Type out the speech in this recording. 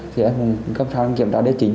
thì em cũng cầm sổ đi kiểm tra ở địa chính